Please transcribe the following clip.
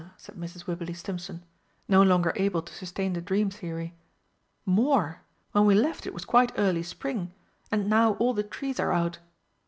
said Mrs. Wibberley Stimpson, no longer able to sustain the dream theory. "More. When we left it was quite early Spring and now all the trees are out!